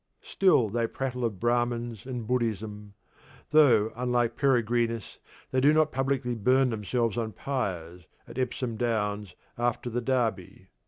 Still they prattle of Brahmins and Buddhism; though, unlike Peregrinus, they do not publicly burn themselves on pyres, at Epsom Downs, after the Derby.